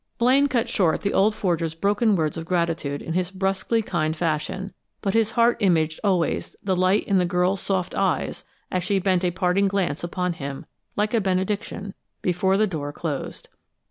Blaine cut short the old forger's broken words of gratitude in his brusquely kind fashion, but his heart imaged always the light in the girl's soft eyes as she bent a parting glance upon him, like a benediction, before the door closed.